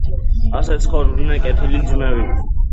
ასე ცხოვრობდნენ კეთილი ძმები.